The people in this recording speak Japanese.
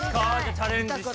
チャレンジしてみても。